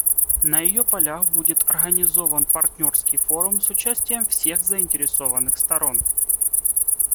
На ее «полях» будет организован партнерский форум с участием всех заинтересованных сторон.